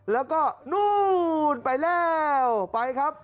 แล้วก็นู่นไปแล้วไปครับ